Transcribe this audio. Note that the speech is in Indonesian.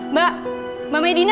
mbak mbak medina